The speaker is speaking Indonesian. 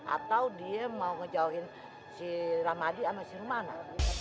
atau dia mau ngejauhin si rahmadi sama si rumana